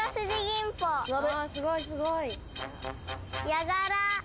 ヤガラ。